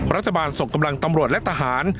รัฐบาลส่งกำลังตำรวจและทหาร